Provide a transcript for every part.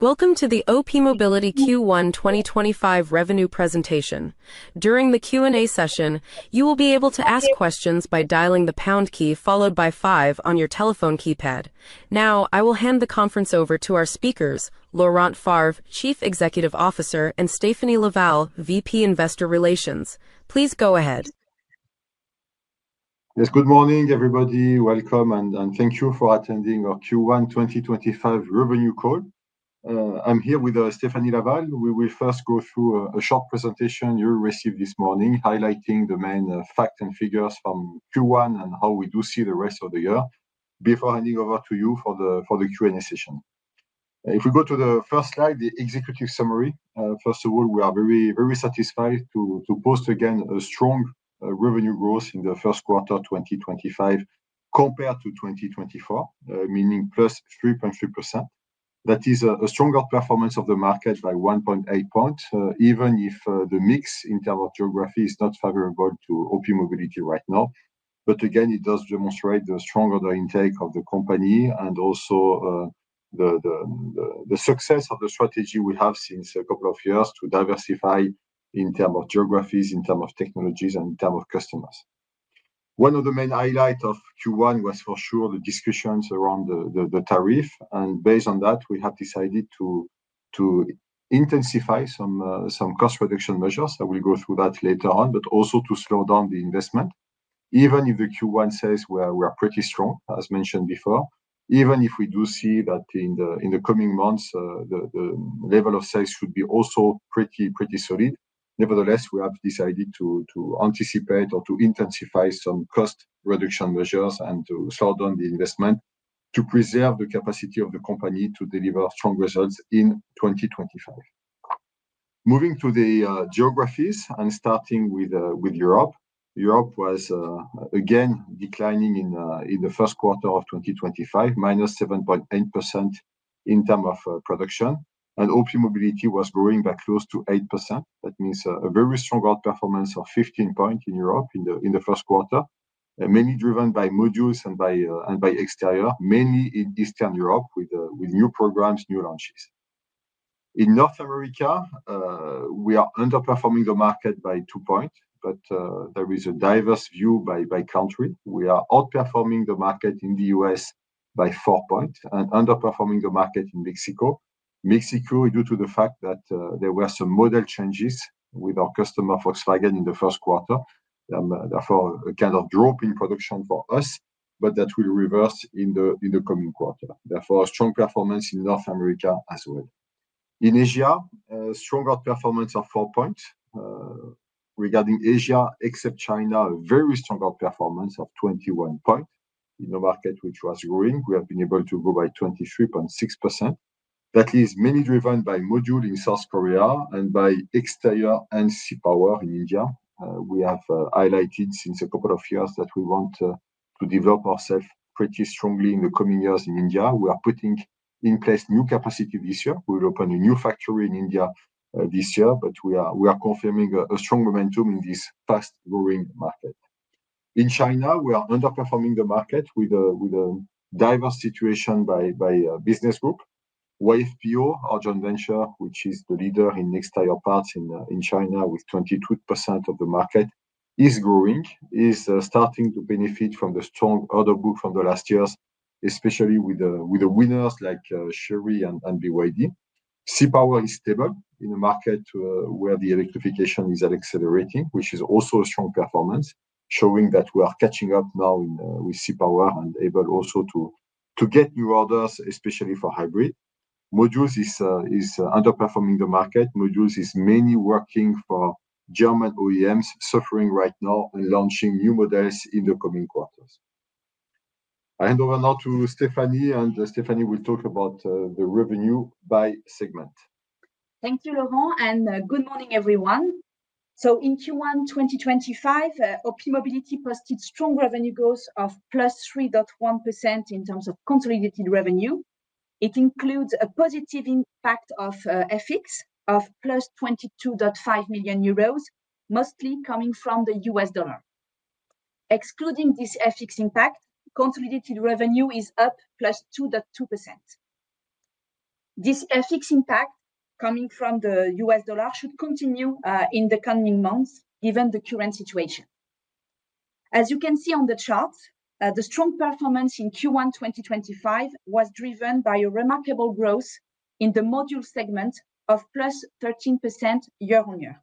Welcome to the OPmobility Q1 2025 revenue presentation. During the Q&A session, you will be able to ask questions by dialing the pound key followed by 5 on your telephone keypad. Now, I will hand the conference over to our speakers, Laurent Favre, Chief Executive Officer, and Stéphanie Laval, VP Investor Relations. Please go ahead. Yes, good morning, everybody. Welcome, and thank you for attending our Q1 2025 revenue call. I'm here with Stéphanie Laval. We will first go through a short presentation you received this morning, highlighting the main facts and figures from Q1 and how we do see the rest of the year, before handing over to you for the Q&A session. If we go to the first slide, the executive summary, first of all, we are very satisfied to post again a strong revenue growth in the first quarter 2025 compared to 2024, meaning plus 3.3%. That is a stronger performance of the market by 1.8 percentage points, even if the mix in terms of geography is not favorable to OPmobility right now. Again, it does demonstrate the stronger intake of the company and also the success of the strategy we have since a couple of years to diversify in terms of geographies, in terms of technologies, and in terms of customers. One of the main highlights of Q1 was for sure the discussions around the tariff, and based on that, we have decided to intensify some cost reduction measures. I will go through that later on, but also to slow down the investment. Even if the Q1 sales were pretty strong, as mentioned before, even if we do see that in the coming months, the level of sales should be also pretty solid, nevertheless, we have decided to anticipate or to intensify some cost reduction measures and to slow down the investment to preserve the capacity of the company to deliver strong results in 2025. Moving to the geographies and starting with Europe, Europe was again declining in the first quarter of 2025, minus 7.8% in terms of production, and OPmobility was growing by close to 8%. That means a very strong outperformance of 15 points in Europe in the first quarter, mainly driven by modules and by exterior, mainly in Eastern Europe with new programs, new launches. In North America, we are underperforming the market by 2 points, but there is a diverse view by country. We are outperforming the market in the U.S. by 4 points and underperforming the market in Mexico. Mexico, due to the fact that there were some model changes with our customer Volkswagen in the first quarter, therefore a kind of drop in production for us, but that will reverse in the coming quarter. Therefore, a strong performance in North America as well. In Asia, a strong outperformance of 4 points. Regarding Asia, except China, a very strong outperformance of 21 points. In the market, which was growing, we have been able to grow by 23.6%. That is mainly driven by modules in South Korea and by exterior and C-Power in India. We have highlighted since a couple of years that we want to develop ourselves pretty strongly in the coming years in India. We are putting in place new capacity this year. We will open a new factory in India this year, but we are confirming a strong momentum in this fast-growing market. In China, we are underperforming the market with a diverse situation by business group. YFPO our joint venture, which is the leader in exterior parts in China with 22% of the market, is growing, is starting to benefit from the strong order book from the last years, especially with the winners like Chery and BYD. C-Power is stable in the market where the electrification is accelerating, which is also a strong performance, showing that we are catching up now with C-Power and able also to get new orders, especially for hybrid. Modules is underperforming the market. Modules is mainly working for German OEMs, suffering right now and launching new models in the coming quarters. I hand over now to Stéphanie, and Stéphanie will talk about the revenue by segment. Thank you, Laurent, and good morning, everyone. In Q1 2025, OPmobility posted strong revenue growth of +3.1% in terms of consolidated revenue. It includes a positive impact of FX of 22.5 million euros, mostly coming from the U.S. dollar. Excluding this FX impact, consolidated revenue is up +2.2%. This FX impact coming from the U.S. dollar should continue in the coming months, given the current situation. As you can see on the chart, the strong performance in Q1 2025 was driven by a remarkable growth in the module segment of +13% year-on-year.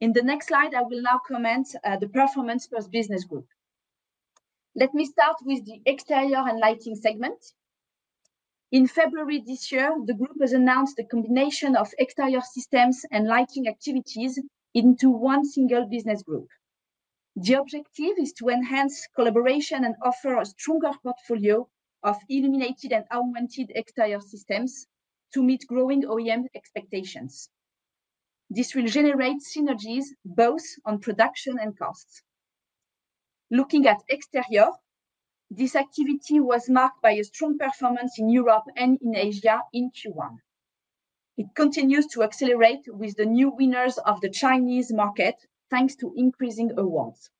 In the next slide, I will now comment on the performance per business group. Let me start with the exterior and lighting segment. In February this year, the group has announced the combination of exterior systems and lighting activities into one single business group. The objective is to enhance collaboration and offer a stronger portfolio of illuminated and augmented exterior systems to meet growing OEM expectations. This will generate synergies both on production and costs. Looking at exterior, this activity was marked by a strong performance in Europe and in Asia in Q1. It continues to accelerate with the new winners of the Chinese market thanks to increasing awards.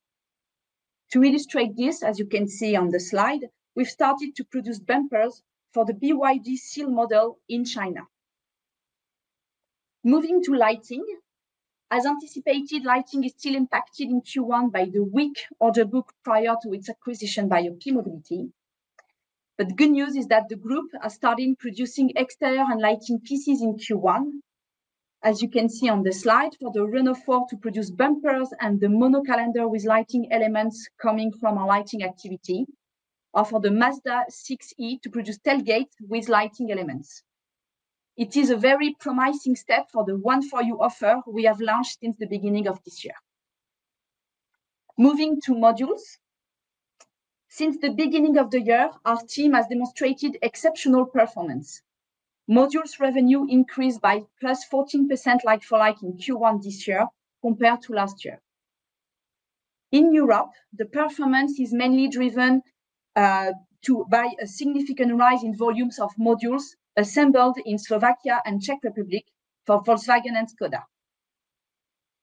To illustrate this, as you can see on the slide, we've started to produce bumpers for the BYD Seal model in China. Moving to lighting, as anticipated, lighting is still impacted in Q1 by the weak order book prior to its acquisition by OPmobility. The good news is that the group has started producing exterior and lighting pieces in Q1. As you can see on the slide, for the Renault 4 to produce bumpers and the Monocalandre with lighting elements coming from our lighting activity, or for the Mazda 6e to produce tailgate with lighting elements. It is a very promising step for the one-for-you offer we have launched since the beginning of this year. Moving to modules, since the beginning of the year, our team has demonstrated exceptional performance. Modules revenue increased by +14% like-for-like in Q1 this year compared to last year. In Europe, the performance is mainly driven by a significant rise in volumes of modules assembled in Slovakia and Czech Republic for Volkswagen and Skoda.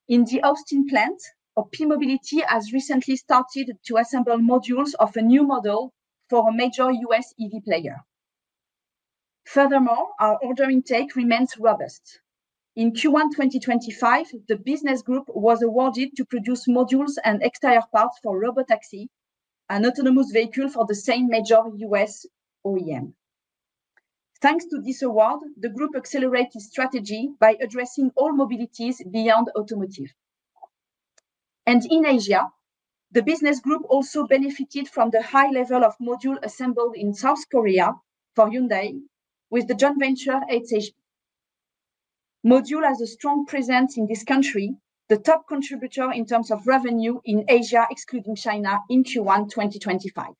In the Austin plant, OPmobility has recently started to assemble modules of a new model for a major U.S. EV player. Furthermore, our order intake remains robust. In Q1 2025, the business group was awarded to produce modules and exterior parts for Robotaxi, an autonomous vehicle for the same major U.S. OEM. Thanks to this award, the group accelerated its strategy by addressing all mobilities beyond automotive. In Asia, the business group also benefited from the high level of modules assembled in South Korea for Hyundai with the joint venture SHB. Modules has a strong presence in this country, the top contributor in terms of revenue in Asia excluding China in Q1 2025.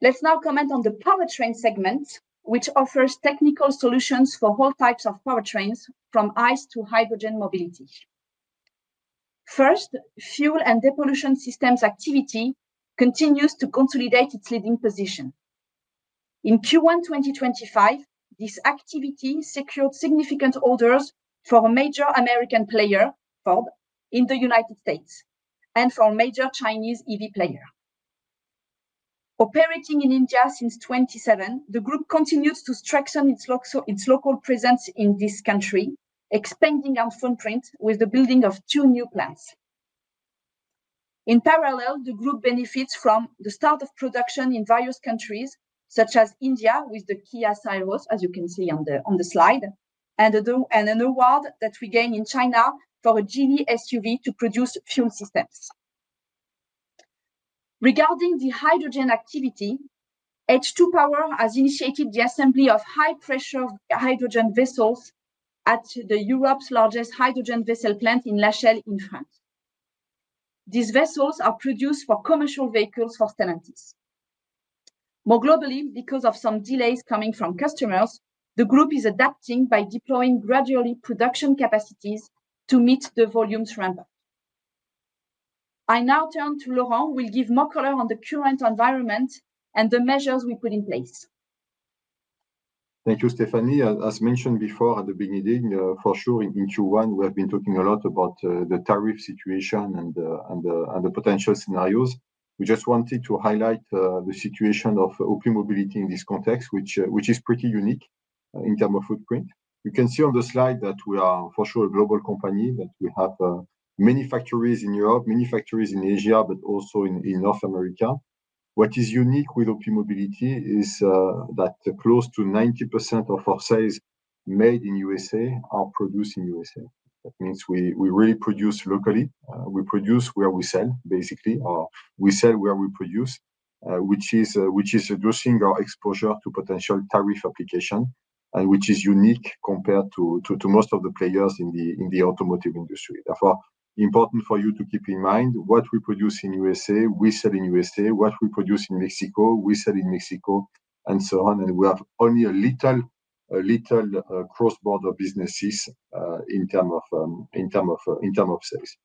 Let's now comment on the powertrain segment, which offers technical solutions for all types of powertrains, from ICE to hydrogen mobility. First, fuel and depollution systems activity continues to consolidate its leading position. In Q1 2025, this activity secured significant orders for a major American player, Ford, in the United States, and for a major Chinese EV player. Operating in India since 2007, the group continues to strengthen its local presence in this country, expanding our footprint with the building of two new plants. In parallel, the group benefits from the start of production in various countries, such as India with the Kia Seltos, as you can see on the slide, and an award that we gained in China for a Geely SUV to produce fuel systems. Regarding the hydrogen activity, H2-Power has initiated the assembly of high-pressure hydrogen vessels at Europe's largest hydrogen vessel plant in La Rochelle in France. These vessels are produced for commercial vehicles for Stellantis. More globally, because of some delays coming from customers, the group is adapting by deploying gradually production capacities to meet the volumes ramp up. I now turn to Laurent, who will give more color on the current environment and the measures we put in place. Thank you, Stéphanie. As mentioned before at the beginning, for sure, in Q1, we have been talking a lot about the tariff situation and the potential scenarios. We just wanted to highlight the situation of OPmobility in this context, which is pretty unique in terms of footprint. You can see on the slide that we are for sure a global company, that we have many factories in Europe, many factories in Asia, but also in North America. What is unique with OPmobility is that close to 90% of our sales made in the U.S. are produced in the U.S.. That means we really produce locally. We produce where we sell, basically, or we sell where we produce, which is reducing our exposure to potential tariff application, and which is unique compared to most of the players in the automotive industry. Therefore, important for you to keep in mind what we produce in the U.S., we sell in the U.S., what we produce in Mexico, we sell in Mexico, and so on. We have only a little cross-border business in terms of sales.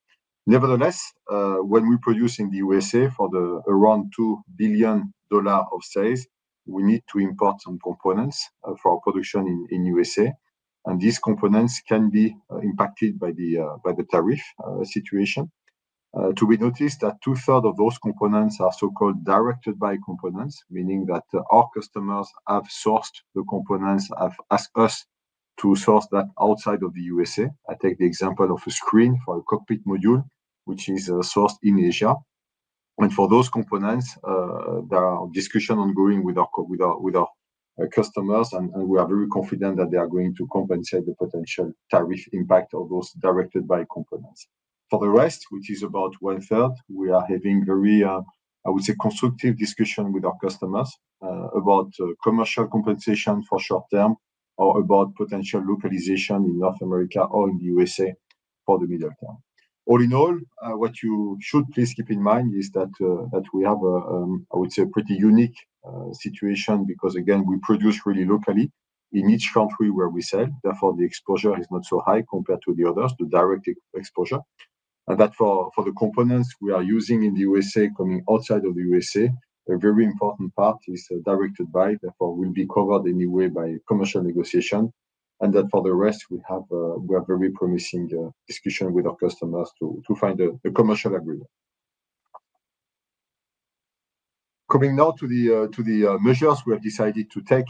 Nevertheless, when we produce in the U.S. for around $2 billion of sales, we need to import some components for our production in the U.S. These components can be impacted by the tariff situation. To be noticed that two-thirds of those components are so-called directed-buy components, meaning that our customers have sourced the components, have asked us to source that outside of the U.S. I take the example of a screen for a cockpit module, which is sourced in Asia. For those components, there are discussions ongoing with our customers, and we are very confident that they are going to compensate the potential tariff impact of those directed-buy components. For the rest, which is about one-third, we are having very, I would say, constructive discussions with our customers about commercial compensation for short-term or about potential localization in North America or in the U.S.A. for the middle term. All in all, what you should please keep in mind is that we have, I would say, a pretty unique situation because, again, we produce really locally in each country where we sell. Therefore, the exposure is not so high compared to the others, the direct exposure. For the components we are using in the U.S.A. coming outside of the U.S.A., a very important part is directed-buy; therefore, we will be covered anyway by commercial negotiation. For the rest, we have very promising discussions with our customers to find a commercial agreement. Coming now to the measures we have decided to take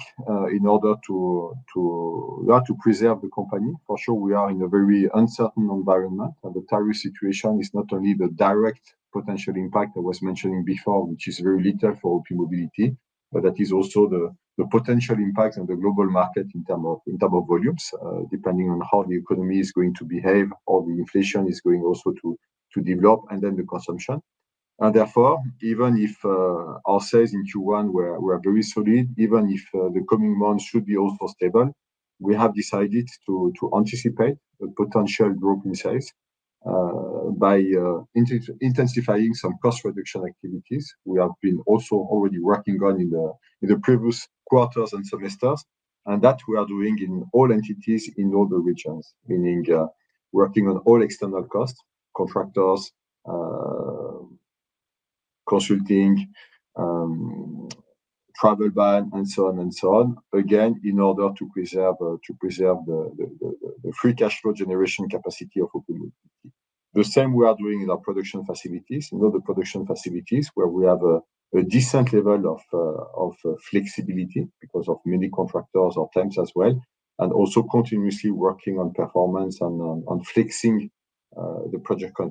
in order to preserve the company. For sure, we are in a very uncertain environment, and the tariff situation is not only the direct potential impact I was mentioning before, which is very little for OPmobility, but that is also the potential impact on the global market in terms of volumes, depending on how the economy is going to behave or the inflation is going also to develop, and then the consumption. Therefore, even if our sales in Q1 were very solid, even if the coming months should be also stable, we have decided to anticipate a potential growth in sales by intensifying some cost reduction activities we have been also already working on in the previous quarters and semesters. That we are doing in all entities in all the regions, meaning working on all external costs, contractors, consulting, travel ban, and so on and so on, again, in order to preserve the free cash flow generation capacity of OPmobility. The same we are doing in our production facilities, in all the production facilities where we have a decent level of flexibility because of many contractors or plants as well, and also continuously working on performance and flexing the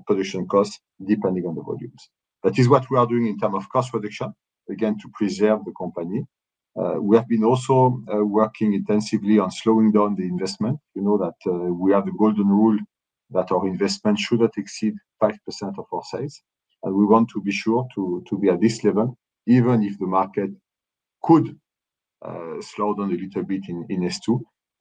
production costs depending on the volumes. That is what we are doing in terms of cost reduction, again, to preserve the company. We have been also working intensively on slowing down the investment. You know that we have the golden rule that our investment should not exceed 5% of our sales. We want to be sure to be at this level, even if the market could slow down a little bit in S2.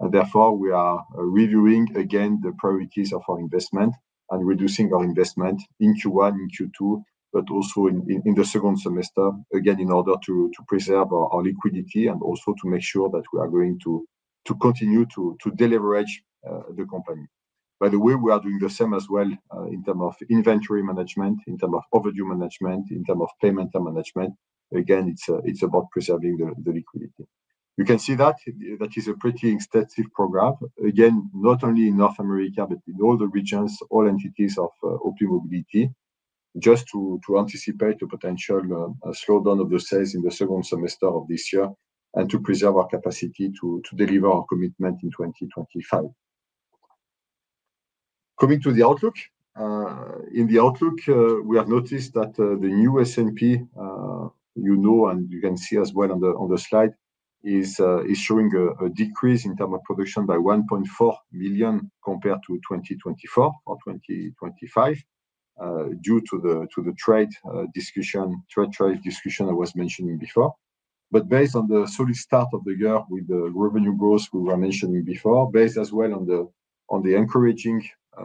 Therefore, we are reviewing again the priorities of our investment and reducing our investment in Q1, in Q2, but also in the second semester, again, in order to preserve our liquidity and also to make sure that we are going to continue to deleverage the company. By the way, we are doing the same as well in terms of inventory management, in terms of overdue management, in terms of payment management. Again, it's about preserving the liquidity. You can see that that is a pretty extensive program, again, not only in North America, but in all the regions, all entities of OPmobility, just to anticipate a potential slowdown of the sales in the second semester of this year and to preserve our capacity to deliver our commitment in 2025. Coming to the outlook, in the outlook, we have noticed that the new S&P, you know, and you can see as well on the slide, is showing a decrease in terms of production by 1.4 million compared to 2024 or 2025 due to the trade discussion, trade tariff discussion I was mentioning before. Based on the solid start of the year with the revenue growth we were mentioning before, based as well on the encouraging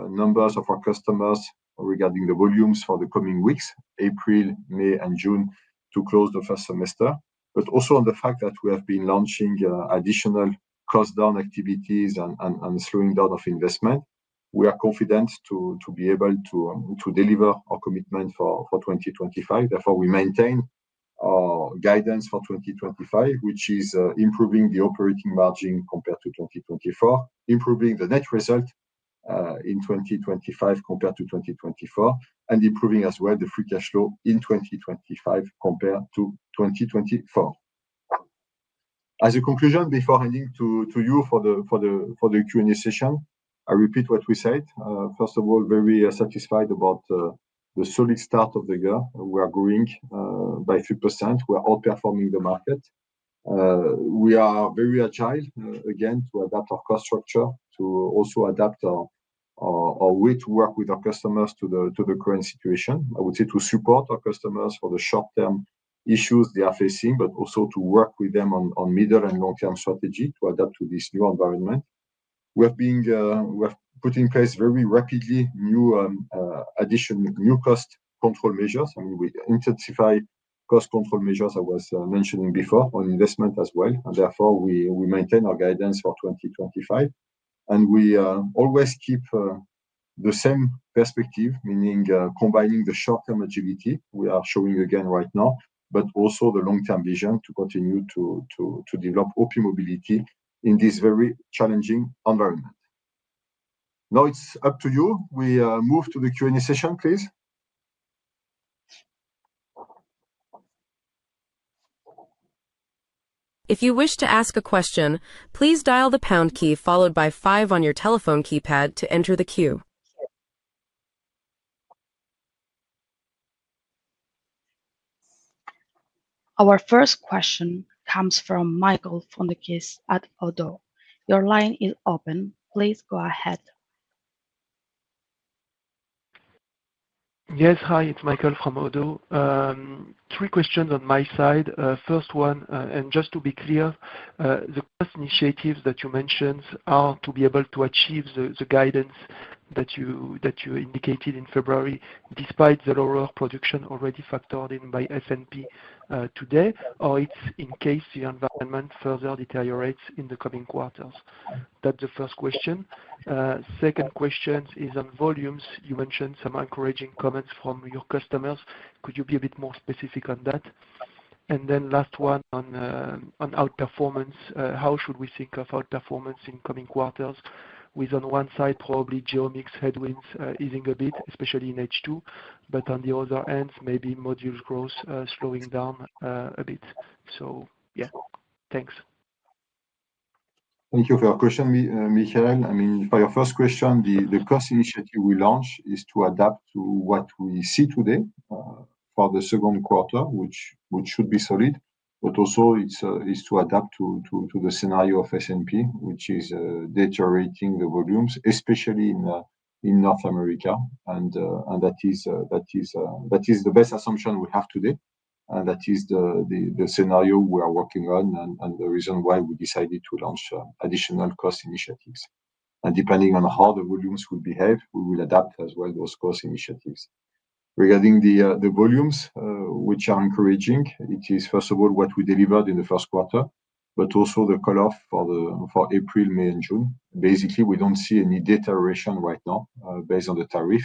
numbers of our customers regarding the volumes for the coming weeks, April, May, and June to close the first semester, but also on the fact that we have been launching additional cost-down activities and slowing down of investment, we are confident to be able to deliver our commitment for 2025. Therefore, we maintain our guidance for 2025, which is improving the operating margin compared to 2024, improving the net result in 2025 compared to 2024, and improving as well the free cash flow in 2025 compared to 2024. As a conclusion, before handing to you for the Q&A session, I repeat what we said. First of all, very satisfied about the solid start of the year. We are growing by 3%. We are outperforming the market. We are very agile, again, to adapt our cost structure, to also adapt our way to work with our customers to the current situation. I would say to support our customers for the short-term issues they are facing, but also to work with them on middle and long-term strategy to adapt to this new environment. We have put in place very rapidly new additional new cost control measures. I mean, we intensify cost control measures I was mentioning before on investment as well. Therefore, we maintain our guidance for 2025. We always keep the same perspective, meaning combining the short-term agility we are showing again right now, but also the long-term vision to continue to develop OPmobility in this very challenging environment. Now it's up to you. We move to the Q&A session, please. If you wish to ask a question, please dial the pound key followed by five on your telephone keypad to enter the queue. Our first question comes from Michael Foundoukidis from ODDO. Your line is open. Please go ahead. Yes, hi, it's Michael from ODDO. Three questions on my side. First one, and just to be clear, the cost initiatives that you mentioned are to be able to achieve the guidance that you indicated in February, despite the lower production already factored in by S&P today, or it's in case the environment further deteriorates in the coming quarters. That's the first question. Second question is on volumes. You mentioned some encouraging comments from your customers. Could you be a bit more specific on that? And then last one on outperformance. How should we think of outperformance in coming quarters? With on one side, probably geo-mix headwinds easing a bit, especially in H2, but on the other end, maybe module growth slowing down a bit. So yeah, thanks. Thank you for your question, Michael. I mean, for your first question, the cost initiative we launched is to adapt to what we see today for the second quarter, which should be solid, but also it is to adapt to the scenario of S&P, which is deteriorating the volumes, especially in North America. That is the best assumption we have today. That is the scenario we are working on and the reason why we decided to launch additional cost initiatives. Depending on how the volumes will behave, we will adapt as well those cost initiatives. Regarding the volumes, which are encouraging, it is, first of all, what we delivered in the first quarter, but also the cut-off for April, May, and June. Basically, we do not see any deterioration right now based on the tariff.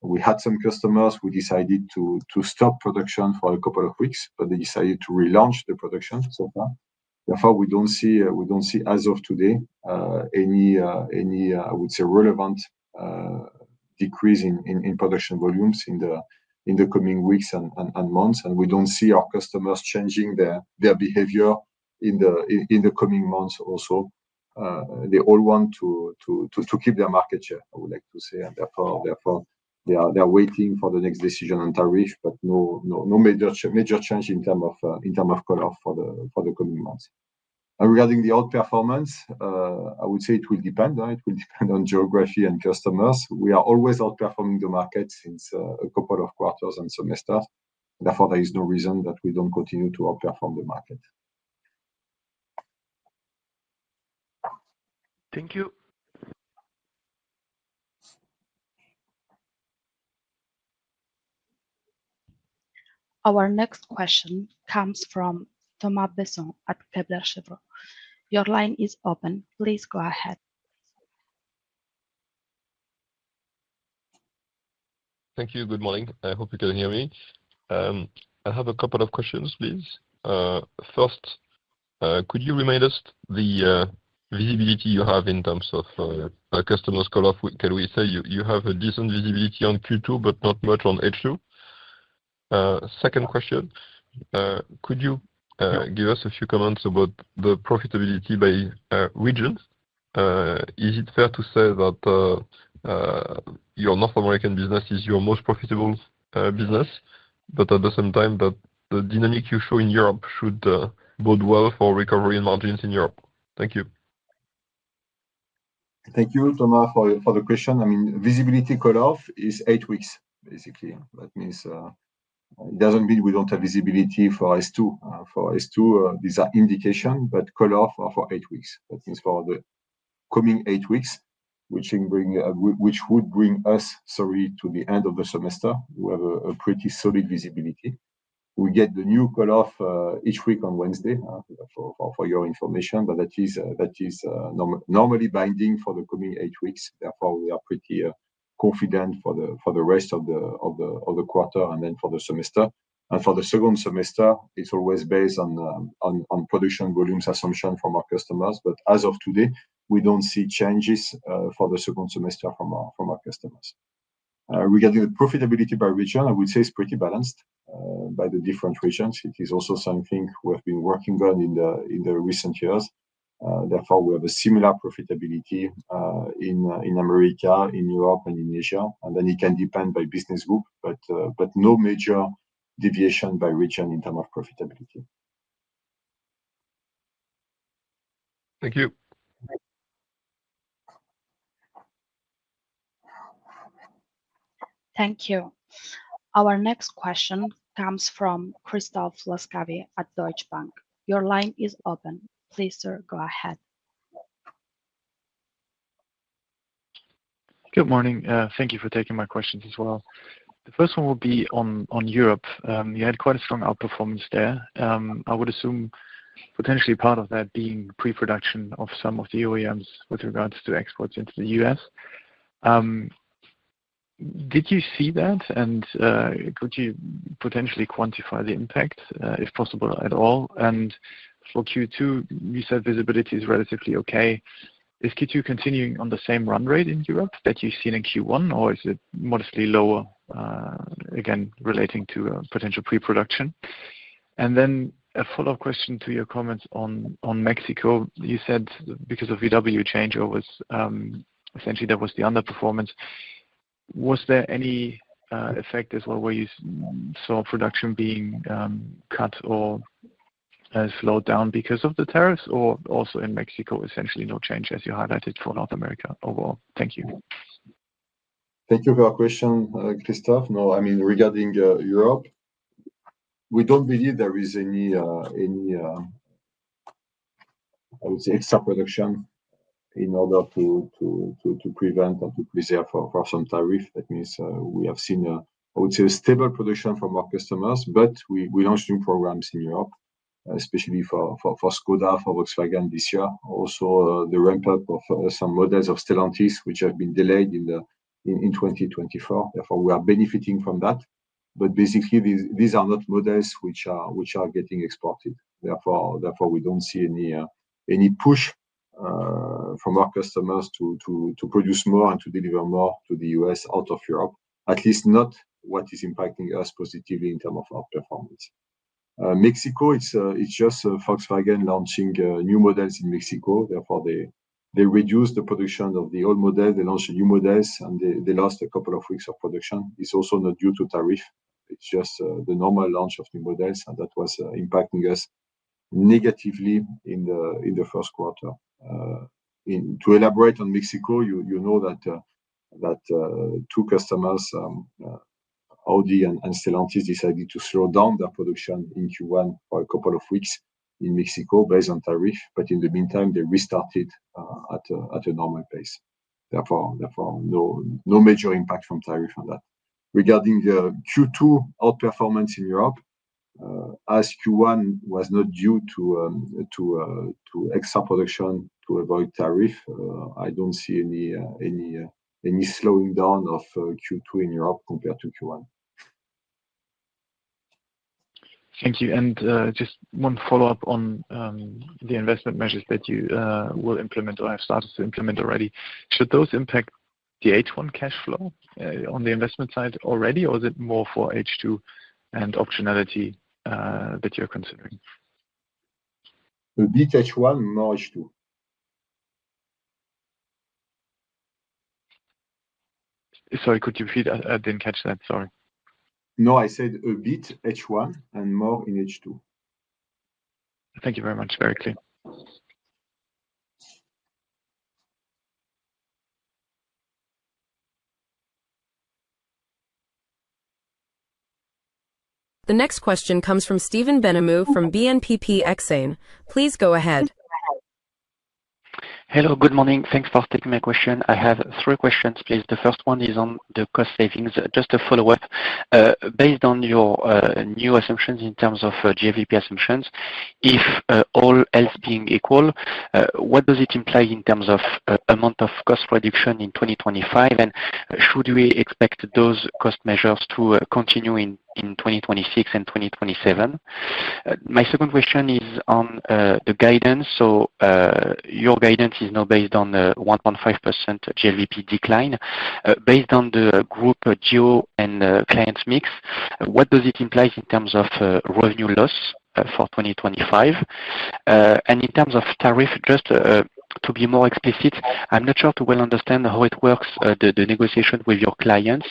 We had some customers who decided to stop production for a couple of weeks, but they decided to relaunch the production so far. Therefore, we do not see, as of today, any, I would say, relevant decrease in production volumes in the coming weeks and months. We do not see our customers changing their behavior in the coming months also. They all want to keep their market share, I would like to say. They are waiting for the next decision on tariff, but no major change in terms of cut-off for the coming months. Regarding the outperformance, I would say it will depend. It will depend on geography and customers. We are always outperforming the market since a couple of quarters and semesters. Therefore, there is no reason that we do not continue to outperform the market. Thank you. Our next question comes from Thomas Besson at Kepler Cheuvreux. Your line is open. Please go ahead. Thank you. Good morning. I hope you can hear me. I have a couple of questions, please. First, could you remind us the visibility you have in terms of customers' cut-off? Can we say you have a decent visibility on Q2, but not much on H2? Second question, could you give us a few comments about the profitability by region? Is it fair to say that your North American business is your most profitable business, but at the same time, that the dynamic you show in Europe should bode well for recovery margins in Europe? Thank you. Thank you, Thomas, for the question. I mean, visibility cut-off is eight weeks, basically. That means it doesn't mean we don't have visibility for S2. For S2, these are indications, but cut-off for eight weeks. That means for the coming eight weeks, which would bring us, sorry, to the end of the semester, we have a pretty solid visibility. We get the new cut-off each week on Wednesday, for your information, but that is normally binding for the coming eight weeks. Therefore, we are pretty confident for the rest of the quarter and then for the semester. For the second semester, it's always based on production volumes assumption from our customers. As of today, we don't see changes for the second semester from our customers. Regarding the profitability by region, I would say it's pretty balanced by the different regions. It is also something we have been working on in the recent years. Therefore, we have a similar profitability in America, in Europe, and in Asia. It can depend by business group, but no major deviation by region in terms of profitability. Thank you. Thank you. Our next question comes from Christoph Laskawi at Deutsche Bank. Your line is open. Please, sir, go ahead. Good morning. Thank you for taking my questions as well. The first one will be on Europe. You had quite a strong outperformance there. I would assume potentially part of that being pre-production of some of the OEMs with regards to exports into the U.S. Did you see that? Could you potentially quantify the impact, if possible at all? For Q2, you said visibility is relatively okay. Is Q2 continuing on the same run rate in Europe that you've seen in Q1, or is it modestly lower, again, relating to potential pre-production? A follow-up question to your comments on Mexico. You said because of Volkswagen changeovers, essentially that was the underperformance. Was there any effect as well where you saw production being cut or slowed down because of the tariffs, or also in Mexico, essentially no change, as you highlighted for North America overall? Thank you. Thank you for your question, Christoph. No, I mean, regarding Europe, we don't believe there is any, I would say, extra production in order to prevent or to preserve for some tariff. That means we have seen, I would say, a stable production from our customers, but we launched new programs in Europe, especially for Skoda, for Volkswagen this year. Also, the ramp-up of some models of Stellantis, which have been delayed in 2024. Therefore, we are benefiting from that. Basically, these are not models which are getting exported. Therefore, we don't see any push from our customers to produce more and to deliver more to the U.S. out of Europe, at least not what is impacting us positively in terms of our performance. Mexico, it's just Volkswagen launching new models in Mexico. Therefore, they reduced the production of the old model. They launched new models, and they lost a couple of weeks of production. It's also not due to tariff. It's just the normal launch of new models, and that was impacting us negatively in the first quarter. To elaborate on Mexico, you know that two customers, Audi and Stellantis, decided to slow down their production in Q1 for a couple of weeks in Mexico based on tariff, but in the meantime, they restarted at a normal pace. Therefore, no major impact from tariff on that. Regarding the Q2 outperformance in Europe, as Q1 was not due to extra production to avoid tariff, I don't see any slowing down of Q2 in Europe compared to Q1. Thank you. Just one follow-up on the investment measures that you will implement or have started to implement already. Should those impact the H1 cash flow on the investment side already, or is it more for H2 and optionality that you're considering? A bit H1, more H2. Sorry, could you repeat? I didn't catch that. Sorry. No, I said a bit H1 and more in H2. Thank you very much. Very clear. The next question comes from Stephane Benhamou from BNPP Exane. Please go ahead. Hello, good morning. Thanks for taking my question. I have three questions, please. The first one is on the cost savings. Just a follow-up. Based on your new assumptions in terms of GVP assumptions, if all else being equal, what does it imply in terms of amount of cost reduction in 2025? Should we expect those cost measures to continue in 2026 and 2027? My second question is on the guidance. Your guidance is now based on a 1.5% GVP decline. Based on the group geo and client mix, what does it imply in terms of revenue loss for 2025? In terms of tariff, just to be more explicit, I'm not sure to well understand how it works, the negotiation with your clients.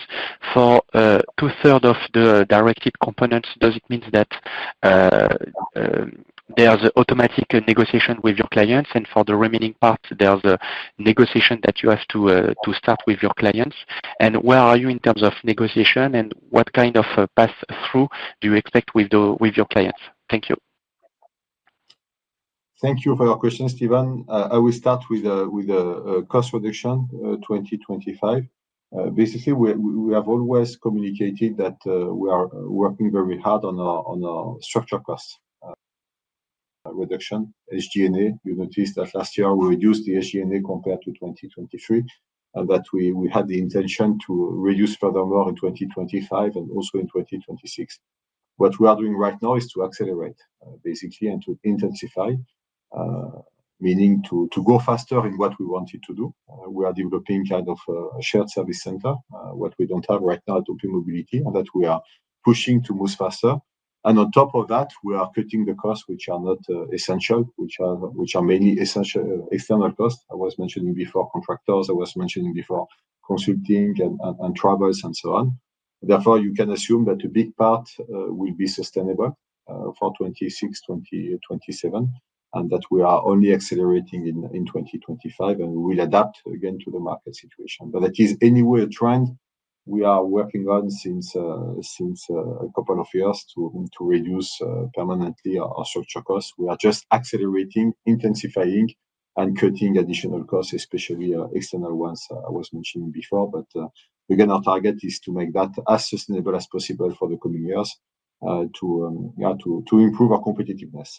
For two-thirds of the directed components, does it mean that there's an automatic negotiation with your clients? For the remaining part, there's a negotiation that you have to start with your clients? Where are you in terms of negotiation? What kind of path through do you expect with your clients? Thank you. Thank you for your question, Stephane. I will start with cost reduction 2025. Basically, we have always communicated that we are working very hard on our structure cost reduction, SG&A. You noticed that last year we reduced the SG&A compared to 2023, and that we had the intention to reduce furthermore in 2025 and also in 2026. What we are doing right now is to accelerate, basically, and to intensify, meaning to go faster in what we wanted to do. We are developing kind of a shared service center, what we do not have right now at OPmobility, and that we are pushing to move faster. On top of that, we are cutting the costs which are not essential, which are mainly external costs. I was mentioning before contractors. I was mentioning before consulting and travels and so on. Therefore, you can assume that a big part will be sustainable for 2026, 2027, and that we are only accelerating in 2025, and we will adapt again to the market situation. That is anyway a trend we are working on since a couple of years to reduce permanently our structure costs. We are just accelerating, intensifying, and cutting additional costs, especially external ones I was mentioning before. Again, our target is to make that as sustainable as possible for the coming years to improve our competitiveness.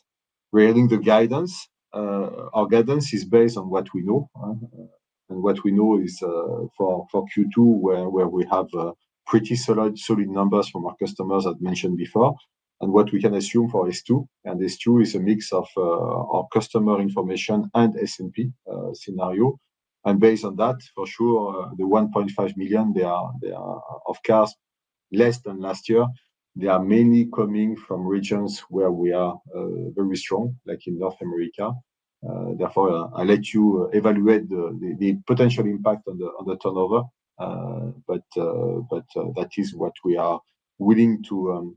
Regarding the guidance, our guidance is based on what we know. What we know is for Q2, where we have pretty solid numbers from our customers as mentioned before, and what we can assume for S2. S2 is a mix of our customer information and S&P scenario. Based on that, for sure, the 1.5 million of cars, less than last year, they are mainly coming from regions where we are very strong, like in North America. Therefore, I'll let you evaluate the potential impact on the turnover, but that is what we are willing to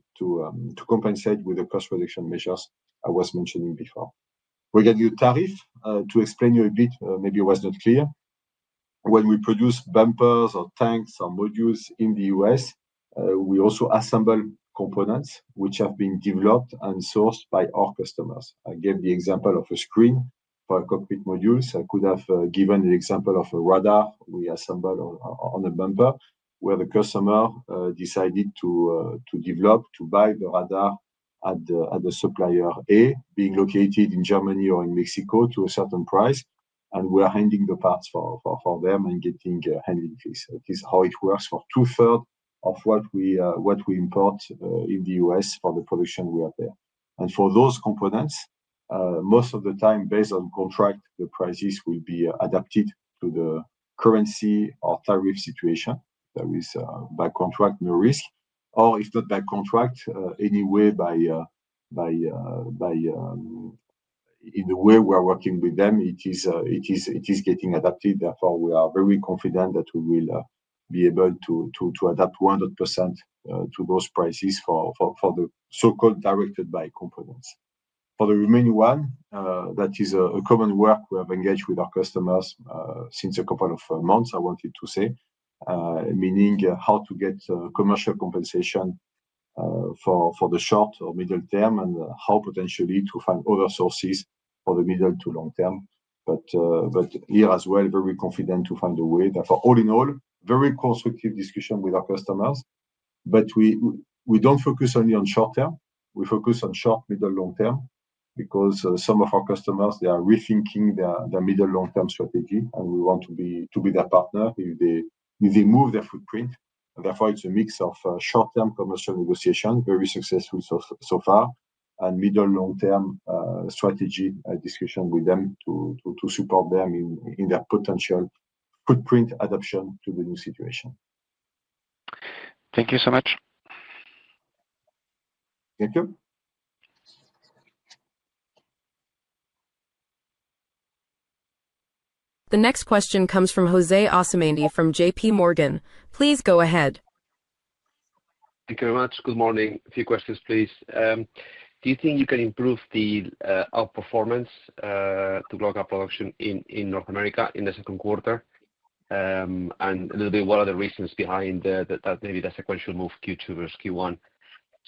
compensate with the cost reduction measures I was mentioning before. Regarding tariff, to explain you a bit, maybe it was not clear. When we produce bumpers or tanks or modules in the U.S., we also assemble components which have been developed and sourced by our customers. I gave the example of a screen for a cockpit module. I could have given the example of a radar we assemble on a bumper where the customer decided to develop, to buy the radar at the supplier A, being located in Germany or in Mexico to a certain price, and we are handing the parts for them and getting handling fees. This is how it works for two-thirds of what we import in the U.S. for the production we have there. For those components, most of the time, based on contract, the prices will be adapted to the currency or tariff situation. There is by contract no risk. If not by contract, anyway, in the way we are working with them, it is getting adapted. Therefore, we are very confident that we will be able to adapt 100% to those prices for the so-called directed-buy components. For the remaining one, that is a common work we have engaged with our customers since a couple of months, I wanted to say, meaning how to get commercial compensation for the short or middle term and how potentially to find other sources for the middle to long term. Here as well, very confident to find a way. Therefore, all in all, very constructive discussion with our customers. We do not focus only on short term. We focus on short, middle, long term because some of our customers, they are rethinking their middle long-term strategy, and we want to be their partner if they move their footprint. Therefore, it is a mix of short-term commercial negotiation, very successful so far, and middle long-term strategy discussion with them to support them in their potential footprint adoption to the new situation. Thank you so much. Thank you. The next question comes from Jose Asumendi from JPMorgan. Please go ahead. Thank you very much. Good morning. A few questions, please. Do you think you can improve the outperformance to global production in North America in the second quarter? A little bit, what are the reasons behind that, maybe the sequential move Q2 versus Q1?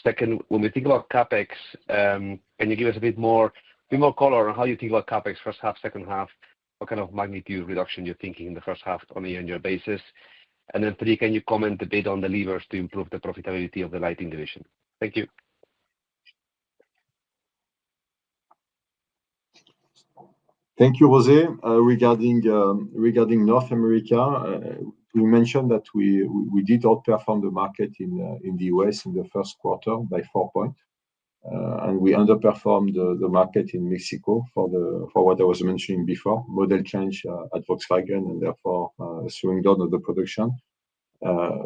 Second, when we think about CapEx, can you give us a bit more color on how you think about CapEx, first half, second half, what kind of magnitude reduction you're thinking in the first half on a year-on-year basis? Three, can you comment a bit on the levers to improve the profitability of the lighting division? Thank you. Thank you, José. Regarding North America, we mentioned that we did outperform the market in the U.S. in the first quarter by 4 points, and we underperformed the market in Mexico for what I was mentioning before, model change at Volkswagen and therefore slowing down of the production.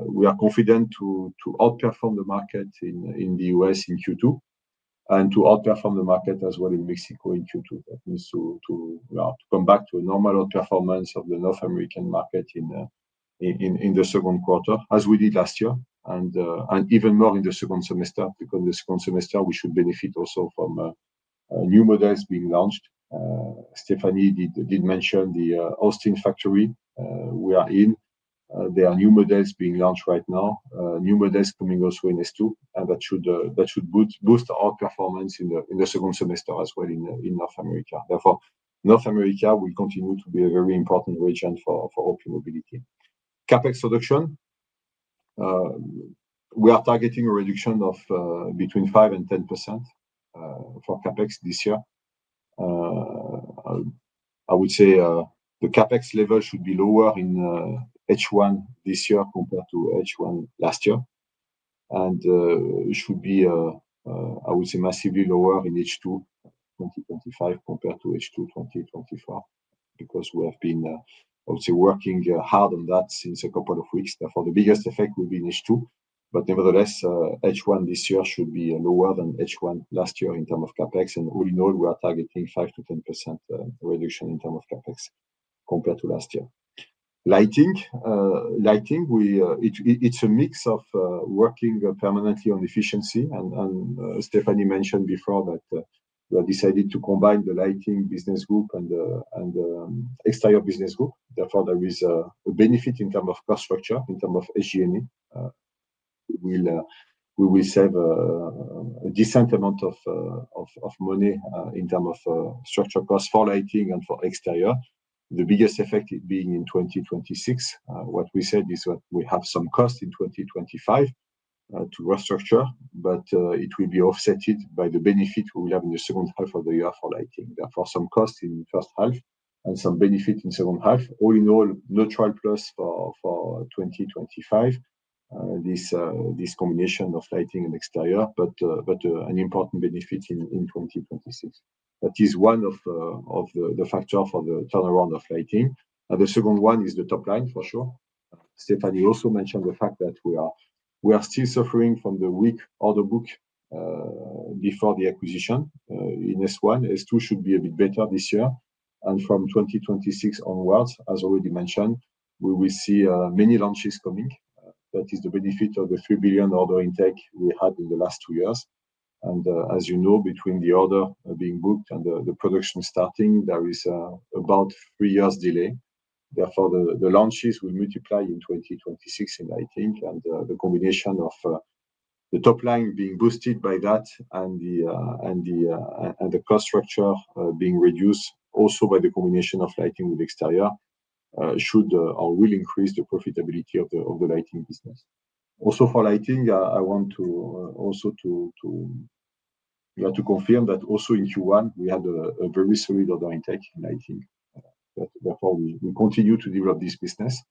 We are confident to outperform the market in the U.S. in Q2 and to outperform the market as well in Mexico in Q2. That means to come back to a normal outperformance of the North American market in the second quarter, as we did last year, and even more in the second semester because in the second semester, we should benefit also from new models being launched. Stéphanie did mention the Austin factory we are in. There are new models being launched right now, new models coming also in S2, and that should boost our performance in the second semester as well in North America. Therefore, North America will continue to be a very important region for OPmobility. CapEx reduction, we are targeting a reduction of between 5% and 10% for CapEx this year. I would say the CapEx level should be lower in H1 this year compared to H1 last year, and it should be, I would say, massively lower in H2 2025 compared to H2 2024 because we have been, I would say, working hard on that since a couple of weeks. Therefore, the biggest effect will be in H2, but nevertheless, H1 this year should be lower than H1 last year in terms of CapEx. All in all, we are targeting 5-10% reduction in terms of CapEx compared to last year. Lighting, it's a mix of working permanently on efficiency, and Stéphanie mentioned before that we have decided to combine the lighting business group and the exterior business group. Therefore, there is a benefit in terms of cost structure, in terms of SG&A. We will save a decent amount of money in terms of structure costs for lighting and for exterior. The biggest effect being in 2026. What we said is that we have some cost in 2025 to restructure, but it will be offset by the benefit we will have in the second half of the year for lighting. Therefore, some cost in the first half and some benefit in the second half. All in all, neutral plus for 2025, this combination of lighting and exterior, but an important benefit in 2026. That is one of the factors for the turnaround of lighting. The second one is the top line, for sure. Stéphanie also mentioned the fact that we are still suffering from the weak order book before the acquisition in S1. S2 should be a bit better this year. From 2026 onwards, as already mentioned, we will see many launches coming. That is the benefit of the 3 billion order intake we had in the last two years. As you know, between the order being booked and the production starting, there is about three years' delay. Therefore, the launches will multiply in 2026 in lighting, and the combination of the top line being boosted by that and the cost structure being reduced also by the combination of lighting with exterior should or will increase the profitability of the lighting business. Also for lighting, I want also to confirm that also in Q1, we had a very solid order intake in lighting. Therefore, we continue to develop this business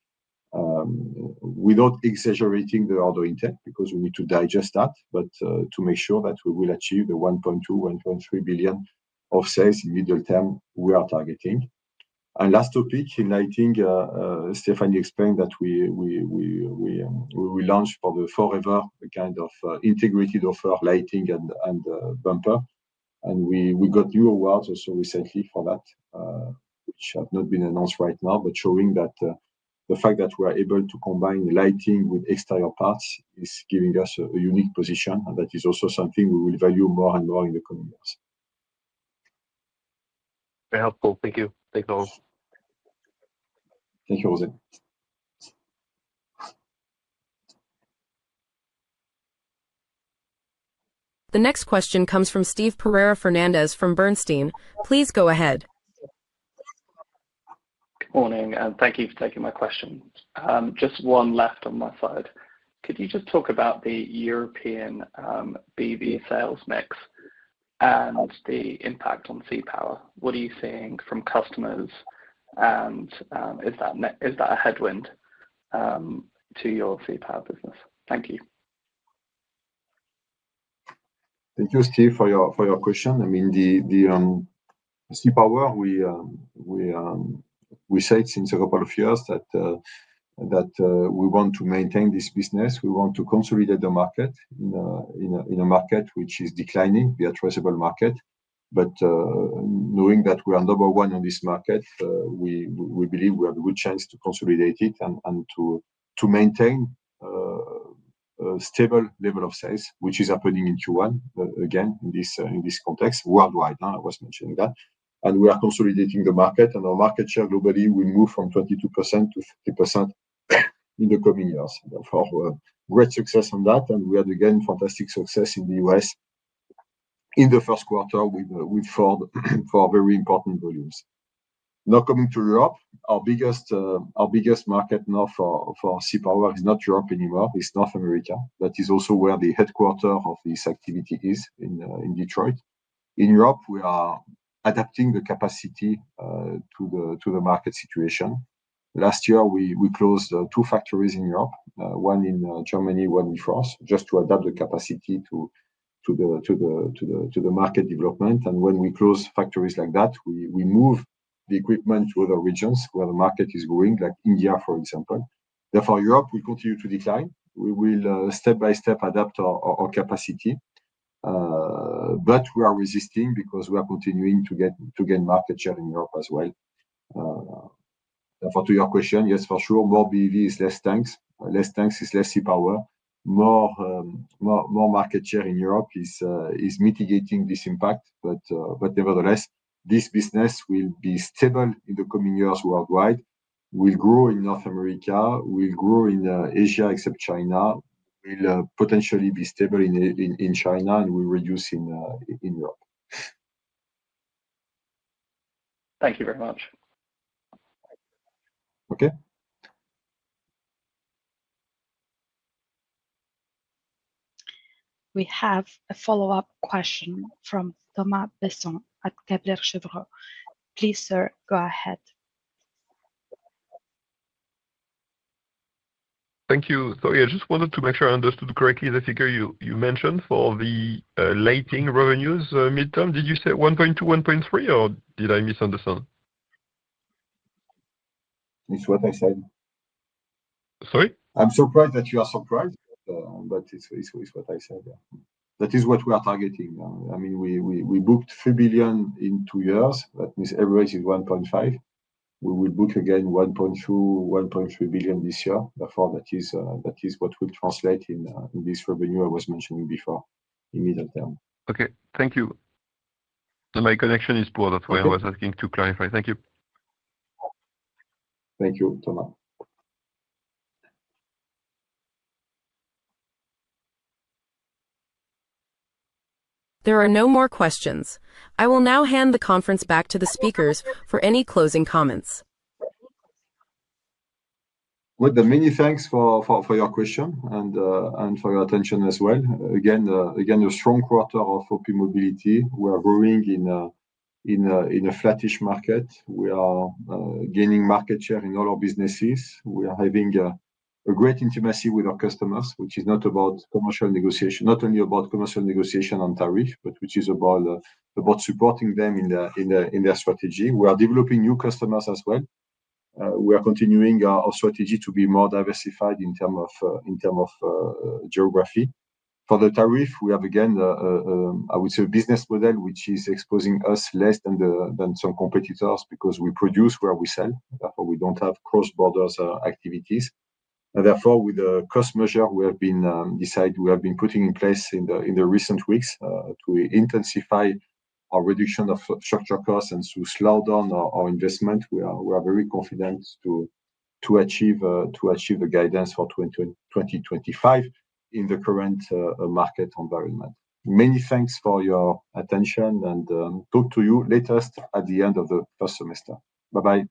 without exaggerating the order intake because we need to digest that, but to make sure that we will achieve the 1.2-1.3 billion of sales in the middle term we are targeting. Last topic in lighting, Stéphanie explained that we will launch for the forever kind of integrated offer lighting and bumper. We got new awards also recently for that, which have not been announced right now, but showing that the fact that we are able to combine lighting with exterior parts is giving us a unique position, and that is also something we will value more and more in the coming years. Very helpful. Thank you. Thank you all. Thank you, Jose. The next question comes from Steve Perera Fernandez from Bernstein. Please go ahead. Good morning, and thank you for taking my question. Just one left on my side. Could you just talk about the European BEV sales mix and the impact on C-Power? What are you seeing from customers, and is that a headwind to your C-Power business? Thank you. Thank you, Steve, for your question. I mean, C-Power, we said since a couple of years that we want to maintain this business. We want to consolidate the market in a market which is declining. We are a traceable market, but knowing that we are number one on this market, we believe we have a good chance to consolidate it and to maintain a stable level of sales, which is happening in Q1 again in this context worldwide. I was mentioning that. We are consolidating the market, and our market share globally will move from 22% to 50% in the coming years. Therefore, great success on that, and we had, again, fantastic success in the U.S. in the first quarter with Ford for very important volumes. Now coming to Europe, our biggest market now for C-Power is not Europe anymore. It's North America. That is also where the headquarter of this activity is in Detroit. In Europe, we are adapting the capacity to the market situation. Last year, we closed two factories in Europe, one in Germany, one in France, just to adapt the capacity to the market development. When we close factories like that, we move the equipment to other regions where the market is growing, like India, for example. Therefore, Europe will continue to decline. We will step by step adapt our capacity, but we are resisting because we are continuing to gain market share in Europe as well. Therefore, to your question, yes, for sure, more BEV is less tanks. Less tanks is less C-Power. More market share in Europe is mitigating this impact, but nevertheless, this business will be stable in the coming years worldwide. We'll grow in North America. We'll grow in Asia except China. We'll potentially be stable in China and we'll reduce in Europe. Thank you very much. Okay. We have a follow-up question from Thomas Besson at Kepler Cheuvreux. Please, sir, go ahead. Thank you. Sorry, I just wanted to make sure I understood correctly the figure you mentioned for the lighting revenues midterm. Did you say 1.2, 1.3, or did I misunderstand? It's what I said. Sorry? I'm surprised that you are surprised, but it's what I said. That is what we are targeting. I mean, we booked 3 billion in two years. That means every raise is 1.5 billion. We will book again 1.2-1.3 billion this year. Therefore, that is what will translate in this revenue I was mentioning before in the middle term. Okay. Thank you. My connection is poor. That's why I was asking to clarify. Thank you. Thank you, Thomas. There are no more questions. I will now hand the conference back to the speakers for any closing comments. Many thanks for your question and for your attention as well. Again, a strong quarter of OPmobility. We are growing in a flattish market. We are gaining market share in all our businesses. We are having a great intimacy with our customers, which is not only about commercial negotiation on tariff, but which is about supporting them in their strategy. We are developing new customers as well. We are continuing our strategy to be more diversified in terms of geography. For the tariff, we have again, I would say, a business model which is exposing us less than some competitors because we produce where we sell. Therefore, we do not have cross-border activities. Therefore, with the cost measure we have been deciding, we have been putting in place in the recent weeks to intensify our reduction of structure costs and to slow down our investment. We are very confident to achieve the guidance for 2025 in the current market environment. Many thanks for your attention, and talk to you latest at the end of the first semester. Bye-bye.